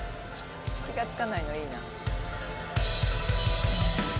気が付かないのいいな。